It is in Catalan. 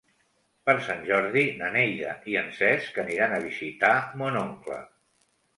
Per Sant Jordi na Neida i en Cesc aniran a visitar mon oncle.